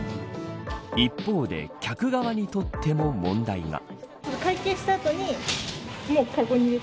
一方で、客側にとっても問題が。